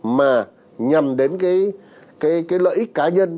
mà nhầm đến cái lợi ích cá nhân